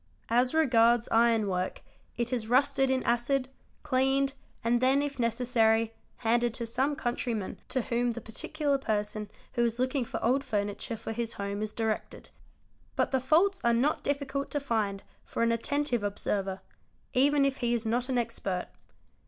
As regards iron work it is rusted in acid, cleaned, and then, if necessary, handed to some countryman to whom the particular person who is look | ing for old furniture for his home is directed. But the faults are not difficult to find for an attentive observer, even | if he is not an expert.